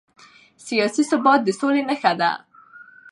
سیاسي ثبات د سولې نښه ده